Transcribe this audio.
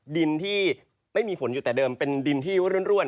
ดินที่ไม่มีฝนอยู่แต่เดิมเป็นดินที่ร่วน